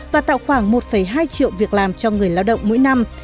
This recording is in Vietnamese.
và tạo khoảng một hai triệu việc làm cho người lao động mỗi năm